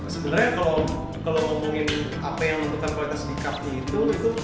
sebenarnya kalau ngomongin apa yang membutuhkan kualitas di kapi itu